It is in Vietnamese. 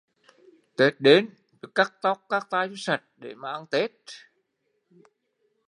Tết đến phải cắt tóc cắt tai cho sạch sẽ để ăn Tết